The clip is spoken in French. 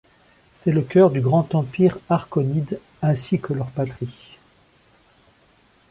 C'est le cœur du Grand Empire Arkonide ainsi que leur patrie.